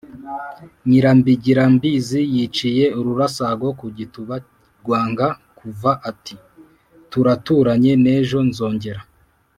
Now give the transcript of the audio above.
Nyirambigirambizi yiciye ururasago ku gituba rwanga kuva ati: turaturanye n’ejo nzongera.